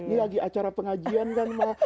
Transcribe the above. ini lagi acara pengajian kan